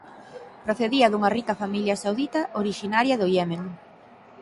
Procedía dunha rica familia saudita orixinaria do Iemen.